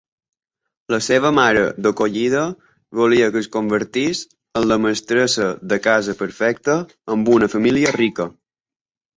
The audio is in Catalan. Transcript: La seva mare d'acollida volia que es convertís en la mestressa de casa perfecta amb una família rica.